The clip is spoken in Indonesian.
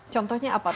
contohnya apa saja